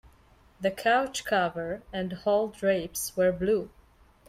The couch cover and hall drapes were blue.